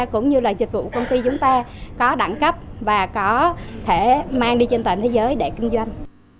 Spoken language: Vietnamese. cũng như là dịch vụ công ty chúng ta có đẳng cấp và có thể mang đi trên toàn thế giới để kinh doanh